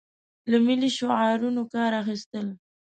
له ملي شعارونو کار اخیستل.